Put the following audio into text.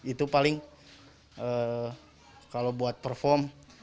itu paling kalau buat perform